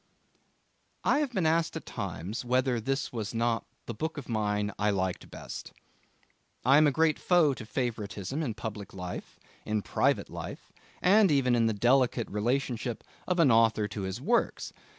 I have been asked at times whether this was not the book of mine I liked best. I am a great foe to favouritism in public life, in private life, and even in the delicate relationship of an author to his works.